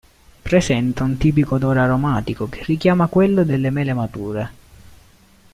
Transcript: Presenta un tipico odore aromatico che richiama quello delle mele mature.